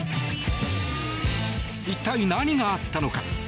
一体何があったのか。